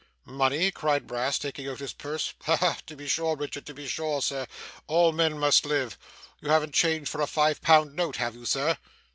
'Money?' cried Brass, taking out his purse. 'Ha ha! To be sure, Mr Richard, to be sure, sir. All men must live. You haven't change for a five pound note, have you sir?